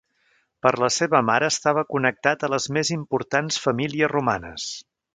Per la seva mare estava connectat a les més importants famílies romanes.